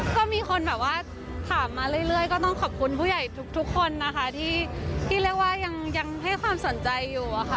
ก็มีคนแบบว่าถามมาเรื่อยก็ต้องขอบคุณผู้ใหญ่ทุกคนนะคะที่เรียกว่ายังให้ความสนใจอยู่อะค่ะ